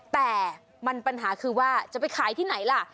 แต่มันปัญหาคือว่าจะไปขายที่ไหนล่ะ